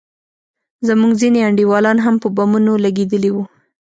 زموږ ځينې انډيوالان هم په بمونو لگېدلي وو.